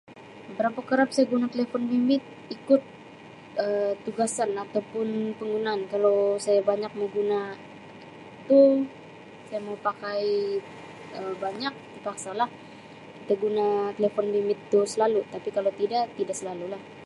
Berapa kerap saya guna telepon bimbit ikut Um tugasan ataupun penggunaan kalau saya banyak mau guna tu saya mau pakai Um banyak terpaksalah kita guna telefon bimbit tu selalu tapi kalau tidak, tidak selalu lah.